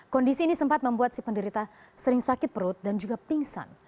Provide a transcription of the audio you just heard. kondisi ini sempat membuat si penderita sering sakit perut dan juga pingsan